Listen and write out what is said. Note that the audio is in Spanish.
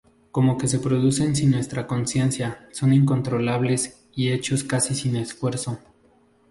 Cómo que se producen sin nuestra conciencia, son incontrolables y hechos casi sin esfuerzo.